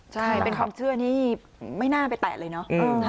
ใช่เป็นความเชื่อนี่ไม่น่าไปแตะเลยเนาะ